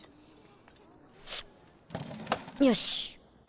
よし！